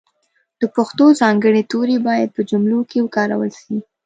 د پښتو ځانګړي توري باید په جملو کښې وکارول سي.